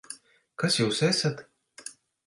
Kas Jūs esat?